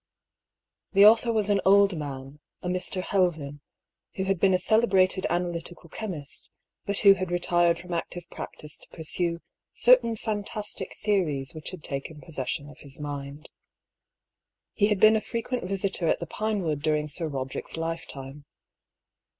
The author was an old man, a Mr. Helven, who had been a celebrated analytical chemist, but who had retired from active practice to pursue certain fantastic theories which had taken possession of his mind. He had been a frequent visitor at the Pinewood during Sir Roderick's lifetime.